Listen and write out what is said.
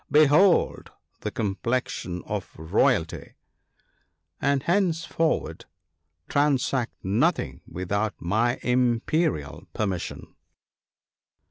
Behold the complexion of royalty !— and henceforward transact nothing without my imperial permission.